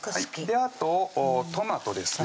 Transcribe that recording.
あとトマトですね